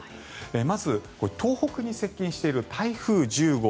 まず東北に接近している台風１０号